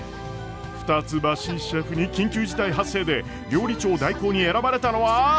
二ツ橋シェフに緊急事態発生で料理長代行に選ばれたのは！？